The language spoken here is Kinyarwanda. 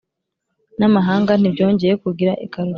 n'amahanga ntibyongeye kugira igaruriro.